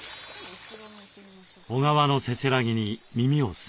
小川のせせらぎに耳を澄ます。